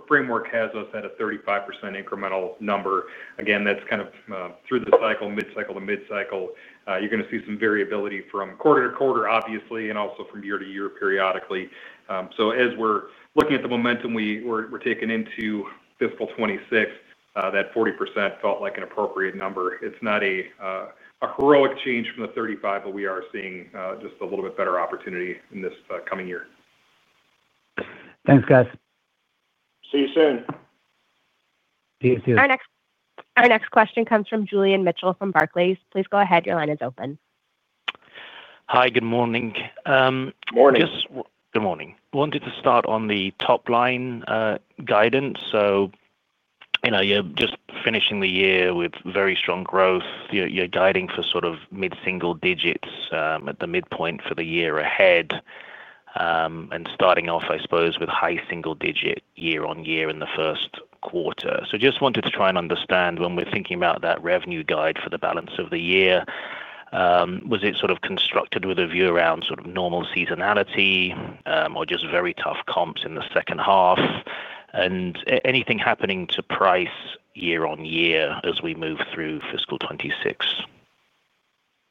framework has us at a 35% incremental number. Again, that's kind of through the cycle, mid-cycle to mid-cycle. You're going to see some variability from quarter to quarter, obviously, and also from year to year periodically. As we're looking at the momentum we're taking into fiscal 2026, that 40% felt like an appropriate number. It's not a heroic change from the 35, but we are seeing just a little bit better opportunity in this coming year. Thanks, guys. See you soon. See you soon. Our next question comes from Julian Mitchell from Barclays. Please go ahead. Your line is open. Hi. Good morning. Morning. Good morning. Wanted to start on the top-line guidance. You are just finishing the year with very strong growth. You are guiding for sort of mid-single digits at the midpoint for the year ahead. Starting off, I suppose, with high single-digit year-on-year in the first quarter. Just wanted to try and understand when we are thinking about that revenue guide for the balance of the year, was it constructed with a view around sort of normal seasonality or just very tough comps in the second half? Anything happening to price year-on-year as we move through fiscal 2026?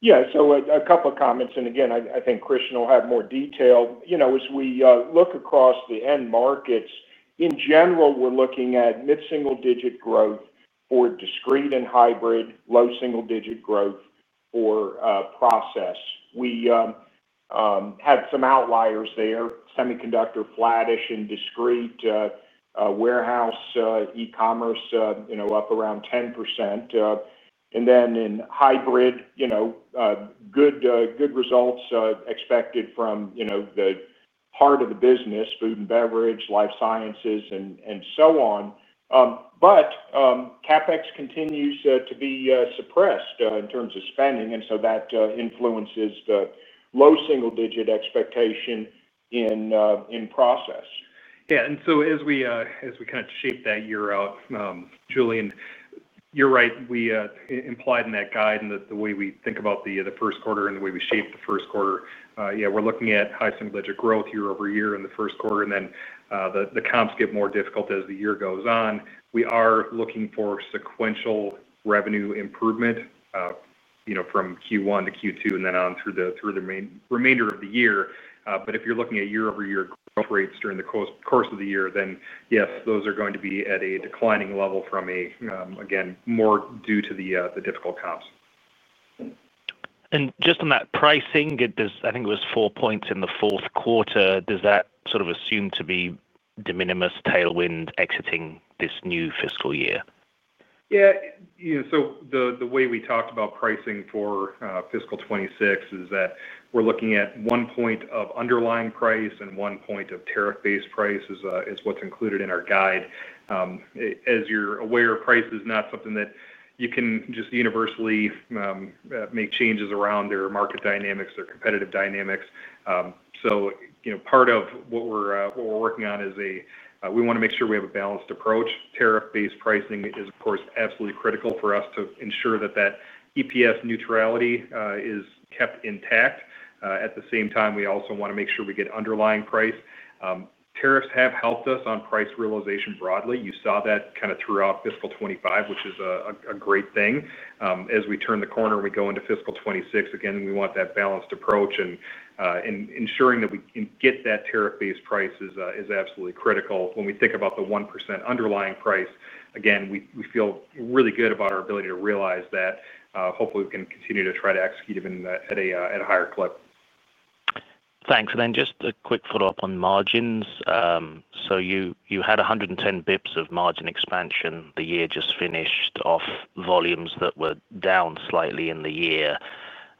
Yeah. A couple of comments. Again, I think Christian will have more detail. As we look across the end markets, in general, we're looking at mid-single-digit growth for discrete and hybrid, low single-digit growth for process. We had some outliers there: semiconductor, flattish, and discrete. Warehouse, e-commerce up around 10%. In hybrid, good results expected from the heart of the business: food and beverage, life sciences, and so on. CapEx continues to be suppressed in terms of spending, and that influences the low single-digit expectation in process. Yeah, as we kind of shape that year out, Julian, you're right. We implied in that guide and the way we think about the first quarter and the way we shape the first quarter, yeah, we're looking at high single-digit growth year-over-year in the first quarter. The comps get more difficult as the year goes on. We are looking for sequential revenue improvement from Q1 to Q2 and then on through the remainder of the year. If you're looking at year-over-year growth rates during the course of the year, then yes, those are going to be at a declining level, again, more due to the difficult comps. Just on that pricing, I think it was four points in the fourth quarter. Does that sort of assume to be de minimis tailwind exiting this new fiscal year? Yeah. The way we talked about pricing for fiscal 2026 is that we're looking at one point of underlying price and one point of tariff-based price is what's included in our guide. As you're aware, price is not something that you can just universally make changes around. There are market dynamics, there are competitive dynamics. Part of what we're working on is we want to make sure we have a balanced approach. Tariff-based pricing is, of course, absolutely critical for us to ensure that that EPS neutrality is kept intact. At the same time, we also want to make sure we get underlying price. Tariffs have helped us on price realization broadly. You saw that kind of throughout fiscal 2025, which is a great thing. As we turn the corner and we go into fiscal 2026, again, we want that balanced approach. Ensuring that we can get that tariff-based price is absolutely critical. When we think about the 1% underlying price, again, we feel really good about our ability to realize that. Hopefully, we can continue to try to execute even at a higher clip. Thanks. And then just a quick follow-up on margins. You had 110 basis points of margin expansion. The year just finished off volumes that were down slightly in the year,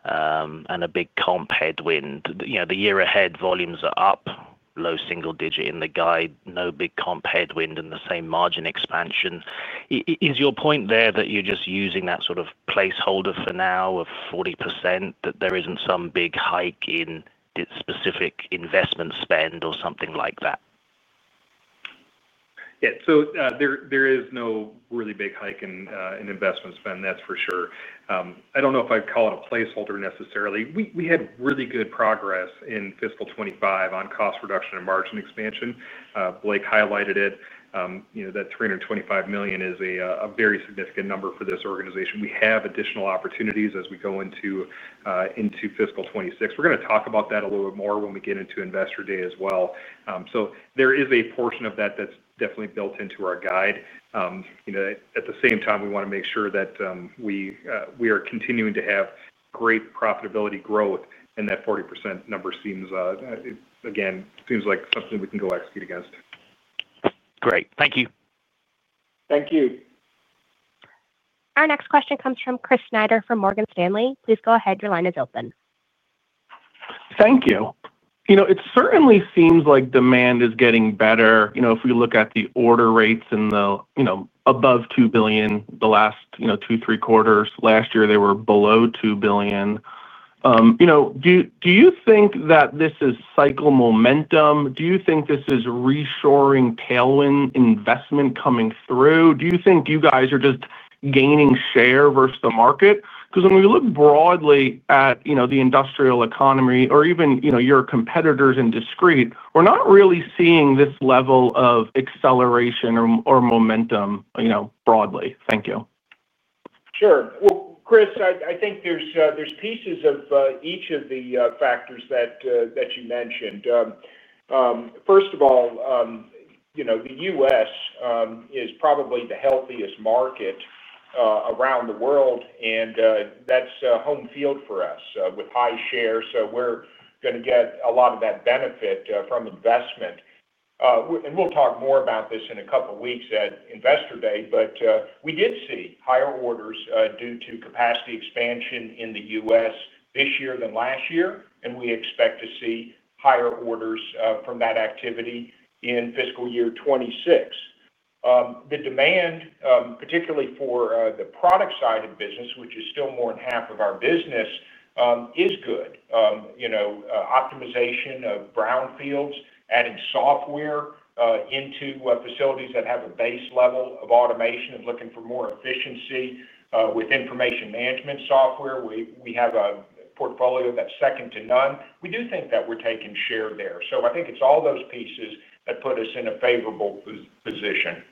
and a big comp headwind. The year ahead, volumes are up, low single digit in the guide, no big comp headwind, and the same margin expansion. Is your point there that you're just using that sort of placeholder for now of 40%, that there isn't some big hike in specific investment spend or something like that? Yeah. There is no really big hike in investment spend, that's for sure. I don't know if I'd call it a placeholder necessarily. We had really good progress in fiscal 2025 on cost reduction and margin expansion. Blake highlighted it. That $325 million is a very significant number for this organization. We have additional opportunities as we go into fiscal 2026. We're going to talk about that a little bit more when we get into Investor Day as well. There is a portion of that that's definitely built into our guide. At the same time, we want to make sure that we are continuing to have great profitability growth, and that 40% number seems, again, seems like something we can go execute against. Great. Thank you. Thank you. Our next question comes from Chris Snyder from Morgan Stanley. Please go ahead. Your line is open. Thank you. It certainly seems like demand is getting better if we look at the order rates and the above $2 billion the last two, three quarters. Last year, they were below $2 billion. Do you think that this is cycle momentum? Do you think this is reshoring tailwind investment coming through? Do you think you guys are just gaining share versus the market? Because when we look broadly at the industrial economy or even your competitors in discrete, we're not really seeing this level of acceleration or momentum broadly. Thank you. Sure. Chris, I think there's pieces of each of the factors that you mentioned. First of all, the U.S. is probably the healthiest market around the world, and that's home field for us with high share. So we're going to get a lot of that benefit from investment. We will talk more about this in a couple of weeks at investor day. We did see higher orders due to capacity expansion in the U.S. this year than last year, and we expect to see higher orders from that activity in fiscal year 2026. The demand, particularly for the product side of business, which is still more than half of our business, is good. Optimization of brownfields, adding software into facilities that have a base level of automation, and looking for more efficiency with information management software. We have a portfolio that's second to none. We do think that we're taking share there. I think it's all those pieces that put us in a favorable position.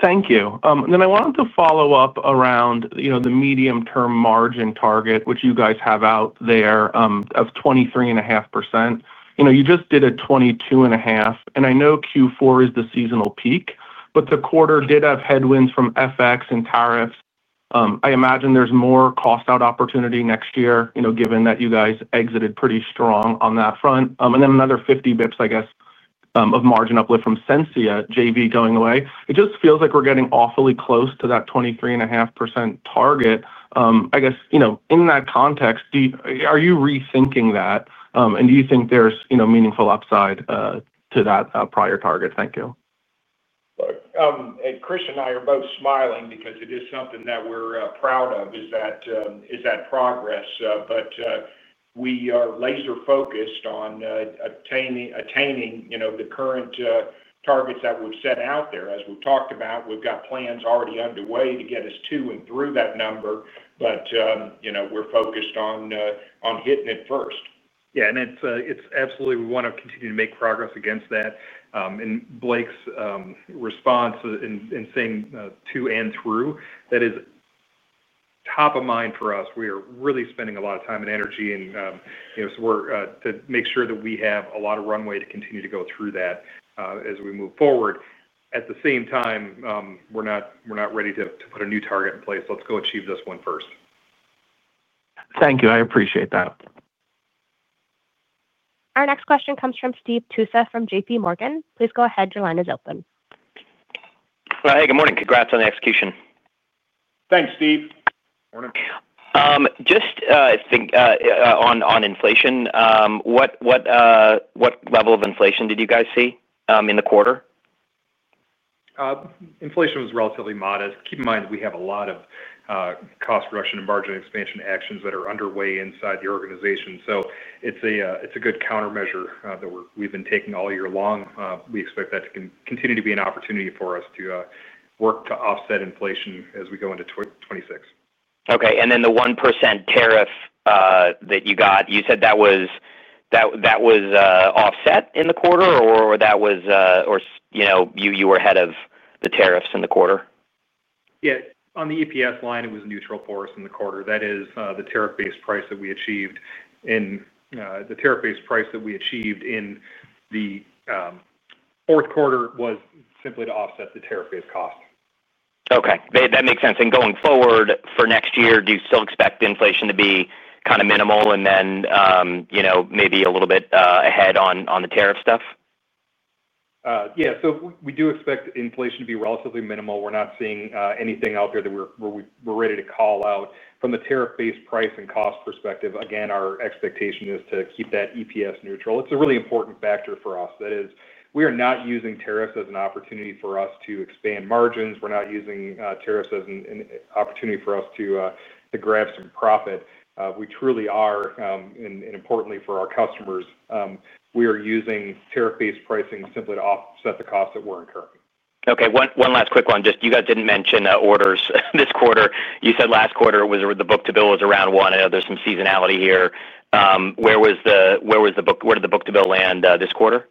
Thank you. I wanted to follow up around the medium-term margin target, which you guys have out there of 23.5%. You just did a 22.5%. I know Q4 is the seasonal peak, but the quarter did have headwinds from FX and tariffs. I imagine there's more cost-out opportunity next year, given that you guys exited pretty strong on that front. Another 50 basis points, I guess, of margin uplift from Sensia JV going away. It just feels like we're getting awfully close to that 23.5% target. I guess in that context, are you rethinking that? And do you think there's meaningful upside to that prior target? Thank you. Chris and I are both smiling because it is something that we're proud of, is that progress. We are laser-focused on attaining the current targets that we've set out there. As we've talked about, we've got plans already underway to get us to and through that number. We're focused on hitting it first. Yeah. It's absolutely—we want to continue to make progress against that. Blake's response in saying to and through, that is top of mind for us. We are really spending a lot of time and energy to make sure that we have a lot of runway to continue to go through that as we move forward. At the same time, we're not ready to put a new target in place. Let's go achieve this one first. Thank you. I appreciate that. Our next question comes from Stephen Tusa from JPMorgan. Please go ahead. Your line is open. Hi. Good morning. Congrats on the execution. Thanks, Stephen. Morning. Just on inflation, what level of inflation did you guys see in the quarter? Inflation was relatively modest. Keep in mind that we have a lot of cost reduction and margin expansion actions that are underway inside the organization. It is a good countermeasure that we have been taking all year long. We expect that to continue to be an opportunity for us to work to offset inflation as we go into 2026. Okay. And then the 1% tariff that you got, you said that was offset in the quarter, or that was—or you were ahead of the tariffs in the quarter? Yeah. On the EPS line, it was neutral for us in the quarter. That is the tariff-based price that we achieved. The tariff-based price that we achieved in the fourth quarter was simply to offset the tariff-based cost. Okay. That makes sense. Going forward for next year, do you still expect inflation to be kind of minimal and then maybe a little bit ahead on the tariff stuff? Yeah. We do expect inflation to be relatively minimal. We're not seeing anything out there that we're ready to call out. From the tariff-based price and cost perspective, again, our expectation is to keep that EPS neutral. It's a really important factor for us. That is, we are not using tariffs as an opportunity for us to expand margins. We're not using tariffs as an opportunity for us to grab some profit. We truly are, and importantly for our customers, we are using tariff-based pricing simply to offset the costs that we're incurring. Okay. One last quick one. Just you guys didn't mention orders this quarter. You said last quarter the book-to-bill was around one. I know there's some seasonality here. Where was the— Where did the book-to-bill land this quarter?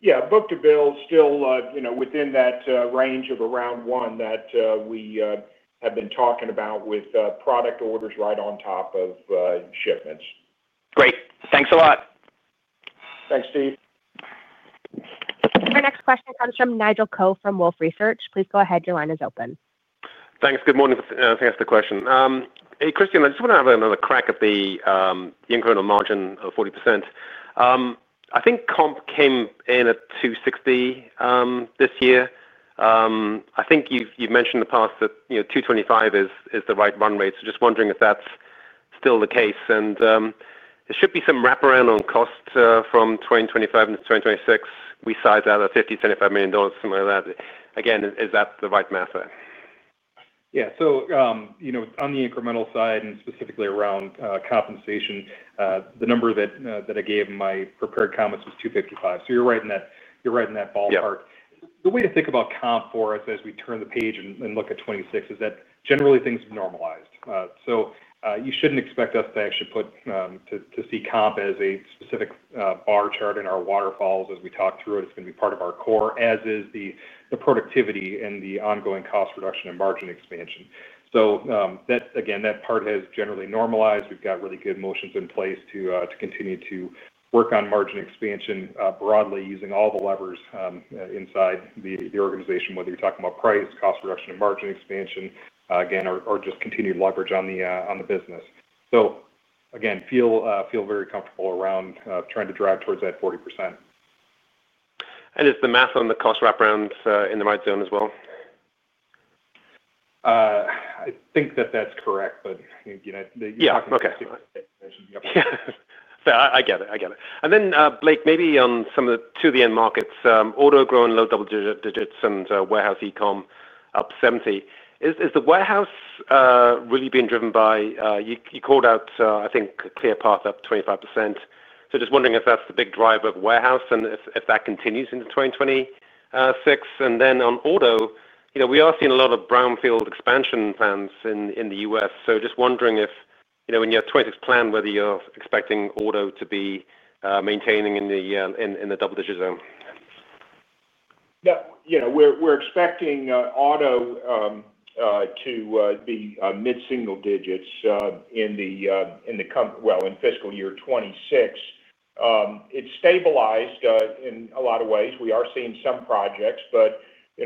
Yeah. Book-to-bill still within that range of around one that we have been talking about with product orders right on top of shipments. Great. Thanks a lot. Thanks, Stephen. Our next question comes from Nigel Coe from Wolfe Research. Please go ahead. Your line is open. Thanks. Good morning. Thanks for the question. Hey, Christian, I just want to have another crack at the incremental margin of 40%. I think comp came in at 260. This year, I think you've mentioned in the past that 225 is the right run rate. Just wondering if that's still the case. There should be some wraparound on cost from 2025 into 2026. We sized out at $50-$75 million, something like that. Again, is that the right math there? Yeah. On the incremental side and specifically around compensation, the number that I gave in my prepared comments was 255. You're right in that ballpark. The way to think about comp for us as we turn the page and look at 2026 is that generally things have normalized. You shouldn't expect us to actually see comp as a specific bar chart in our waterfalls as we talk through it. It's going to be part of our core, as is the productivity and the ongoing cost reduction and margin expansion. That part has generally normalized. We have really good motions in place to continue to work on margin expansion broadly using all the levers inside the organization, whether you are talking about price, cost reduction, and margin expansion again, or just continued leverage on the business. I feel very comfortable around trying to drive towards that 40%. Is the math on the cost wraparounds in the right zone as well? I think that is correct, but you are talking about— Yeah. Okay. Yeah. I get it. I get it. Blake, maybe on some of the two of the end markets, auto growing low double digits and warehouse e-com up 70%. Is the warehouse really being driven by— You called out, I think, Clearpath up 25%. I am just wondering if that is the big driver of warehouse and if that continues into 2026. On auto, we are seeing a lot of brownfield expansion plans in the U.S. Just wondering if in your 2026 plan, whether you are expecting auto to be maintaining in the double-digit zone. Yeah. We are expecting auto to be mid-single digits in fiscal year 2026. It has stabilized in a lot of ways. We are seeing some projects, as they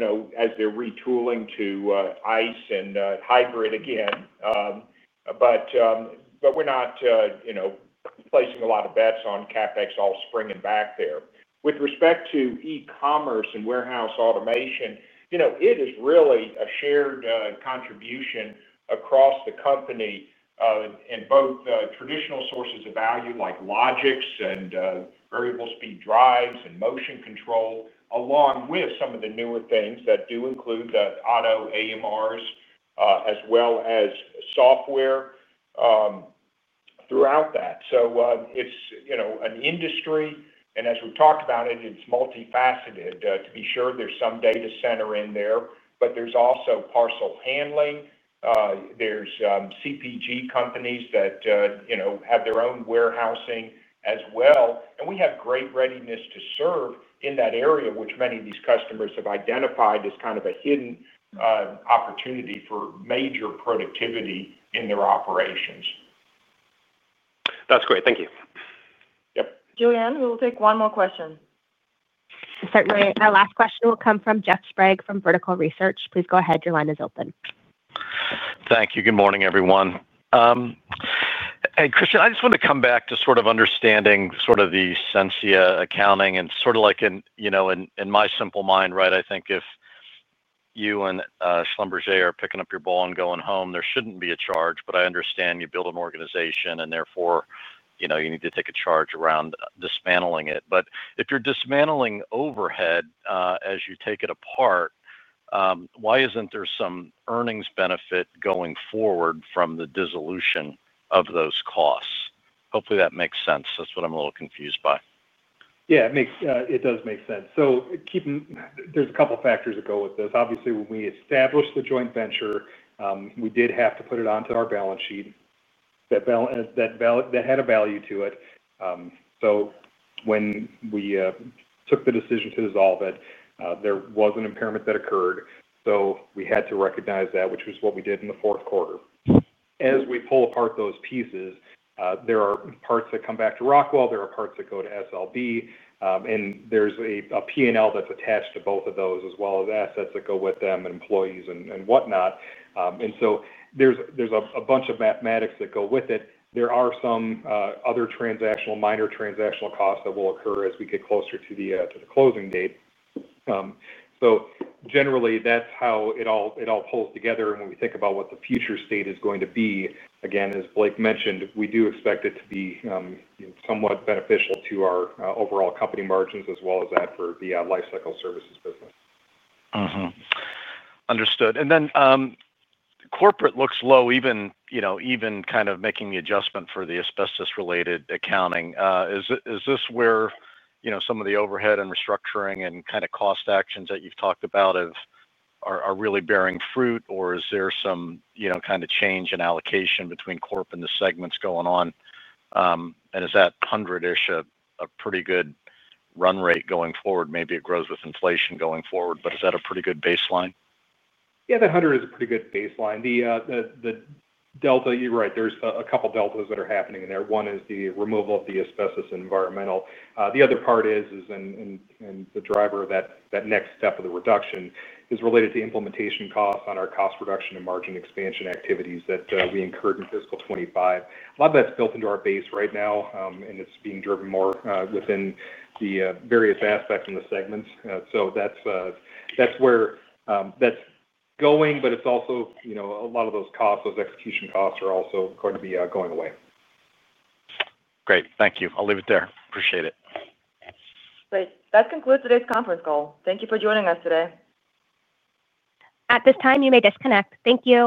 are retooling to ICE and hybrid again. We are not placing a lot of bets on CapEx all springing back there. With respect to e-commerce and warehouse automation, it is really a shared contribution across the company in both traditional sources of value like Logix and variable speed drives and motion control, along with some of the newer things that do include the auto AMRs as well as software throughout that. It is an industry, and as we have talked about it, it is multifaceted. To be sure, there's some data center in there, but there's also parcel handling. There's CPG companies that have their own warehousing as well. We have great readiness to serve in that area, which many of these customers have identified as kind of a hidden opportunity for major productivity in their operations. That's great. Thank you. Yep. Joanne, we will take one more question. Certainly, our last question will come from Jeff Sprague from Vertical Research. Please go ahead. Your line is open. Thank you. Good morning, everyone. Hey, Christian, I just wanted to come back to sort of understanding sort of the Sensia accounting and sort of like in my simple mind, right, I think if you and Schlumberger are picking up your ball and going home, there shouldn't be a charge. I understand you build an organization, and therefore you need to take a charge around dismantling it. If you're dismantling overhead as you take it apart, why isn't there some earnings benefit going forward from the dissolution of those costs? Hopefully, that makes sense. That's what I'm a little confused by. Yeah. It does make sense. There's a couple of factors that go with this. Obviously, when we established the joint venture, we did have to put it onto our balance sheet. That had a value to it. When we took the decision to dissolve it, there was an impairment that occurred. We had to recognize that, which was what we did in the fourth quarter. As we pull apart those pieces, there are parts that come back to Rockwell. There are parts that go to SLB. There's a P&L that's attached to both of those, as well as assets that go with them and employees and whatnot. There's a bunch of mathematics that go with it. There are some other minor transactional costs that will occur as we get closer to the closing date. Generally, that's how it all pulls together. When we think about what the future state is going to be, again, as Blake mentioned, we do expect it to be somewhat beneficial to our overall company margins as well as that for the lifecycle services business. Understood. Corporate looks low, even kind of making the adjustment for the asbestos-related accounting. Is this where some of the overhead and restructuring and kind of cost actions that you've talked about? Are really bearing fruit, or is there some kind of change in allocation between corp and the segments going on? Is that 100-ish a pretty good run rate going forward? Maybe it grows with inflation going forward, but is that a pretty good baseline? Yeah. The 100 is a pretty good baseline. The delta, you're right, there's a couple of deltas that are happening in there. One is the removal of the asbestos and environmental. The other part is, and the driver of that next step of the reduction is related to implementation costs on our cost reduction and margin expansion activities that we incurred in fiscal 2025. A lot of that's built into our base right now, and it's being driven more within the various aspects in the segments. So that's Where that's going, but it's also a lot of those costs, those execution costs are also going to be going away. Great. Thank you. I'll leave it there. Appreciate it. Great. That concludes today's conference call. Thank you for joining us today. At this time, you may disconnect. Thank you.